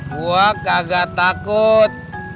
gue kagak takut